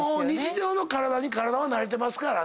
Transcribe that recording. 日常の体に体は慣れてますから。